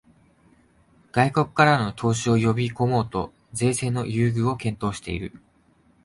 外国からの投資を呼びこもうと税制の優遇を検討している